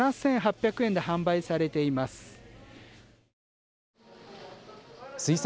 ７８００円で販売されています。